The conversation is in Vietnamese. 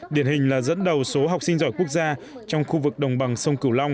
điển hình là dẫn đầu số học sinh giỏi quốc gia trong khu vực đồng bằng sông cửu long